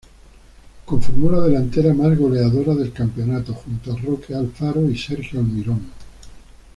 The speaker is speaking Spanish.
Conformó la delantera más goleadora del campeonato, junto a Roque Alfaro y Sergio Almirón.